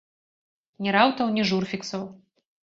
Ні раутаў, ні журфіксаў!